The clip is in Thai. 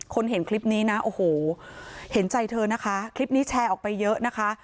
เห็นคลิปนี้นะโอ้โหเห็นใจเธอนะคะคลิปนี้แชร์ออกไปเยอะนะคะ